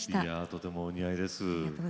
とてもお似合いです。